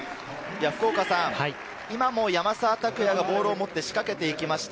山沢拓也がボールを持って仕掛けていきました。